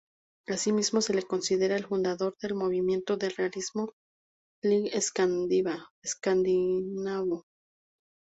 Asimismo, se le considera el fundador del Movimiento del Realismo Legal Escandinavo.